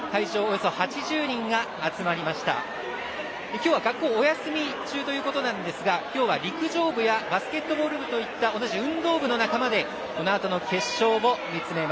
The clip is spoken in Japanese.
今日は学校お休み中ということなんですが今日は陸上部やバスケットボール部といった同じ運動部の仲間でこのあとの決勝を見つめます。